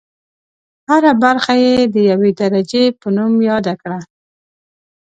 هره برخه یې د یوې درجې په نوم یاده کړه.